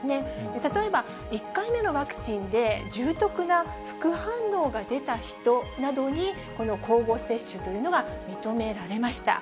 例えば１回目のワクチンで重篤な副反応が出た人などに、この交互接種というのが認められました。